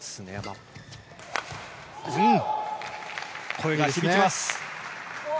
声が響きます。